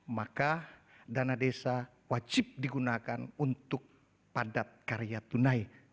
maka dana desa wajib digunakan untuk padat karya tunai